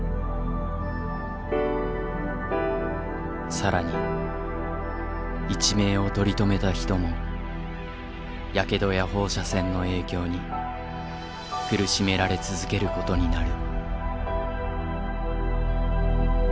更に一命を取り留めた人もヤケドや放射線の影響に苦しめられ続けることになる。